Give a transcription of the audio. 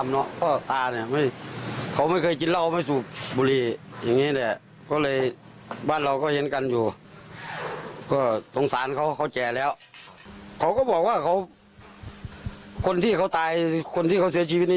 หายแบบขึ้นกูขึ้นมึงอย่างนี้แหละ